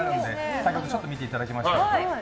先ほどちょっと見ていただきましたけど。